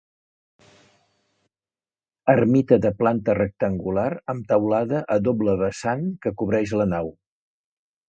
Ermita de planta rectangular amb teulada a doble vessant que cobreix la nau.